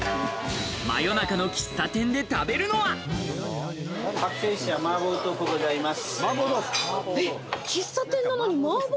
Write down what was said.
真夜中の喫茶店で食べるのは麻婆豆腐でございます。